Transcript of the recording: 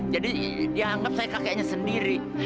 jadi dianggap saya kakeknya sendiri